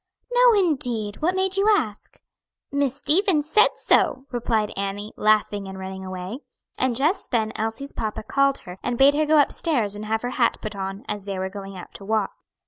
"No, indeed! what made you ask?" "Miss Stevens said so," replied Annie, laughing and running away. And just then Elsie's papa called her, and bade her go upstairs and have her hat put on, as they were going out to walk.